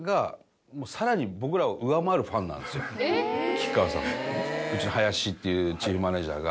吉川さんのうちの林っていうチーフマネージャーが。